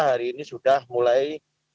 hari ini sudah mulai